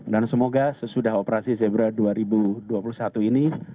dan semoga sesudah operasi zebra dua ribu dua puluh satu ini